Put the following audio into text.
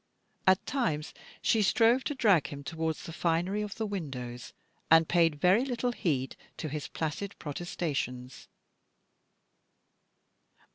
At times she strove to drag him towards the finery of the windows, and paid very little heed to his placid protestations.